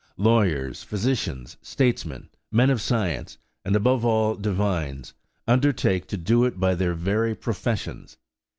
Lawyers, physicians, statesmen, men of science, and, above all, divines, undertake to do it by their very professions.